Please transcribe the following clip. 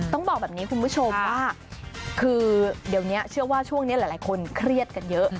ต้องบอกแบบนี้คุณผู้ชมว่าคือเดี๋ยวนี้เชื่อว่าช่วงนี้หลายคนเครียดกันเยอะ